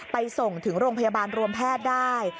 ส่งถึงโรงพยาบาลรวมแพทย์ได้